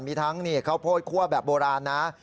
มีทั้งนี่เค้าโพดขั้วแบบโบราณนะ